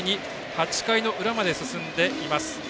８回の裏まで進んでいます。